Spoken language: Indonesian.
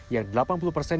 yang delapan puluh persen